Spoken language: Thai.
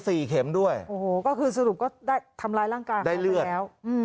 ใช้อารมณ์เลยคือลงมาต่อยแล้วก็พิษสั่งว่ามันแรงเกินไป